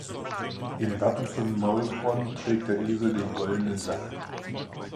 Im Wappen von Maulbronn trägt der Esel den goldenen Sack.